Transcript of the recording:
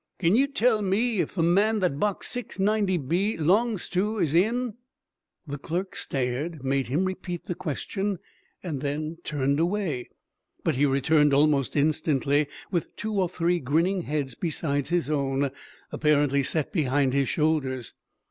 "Kin you tell me if the man that box 690 b'longs to is in?" The clerk stared, made him repeat the question, and then turned away. But he returned almost instantly, with two or three grinning heads besides his own, apparently set behind his shoulders.